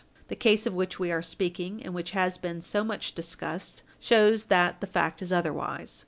The case of which we are speaking, and which has been so much discussed, shows that the fact is otherwise.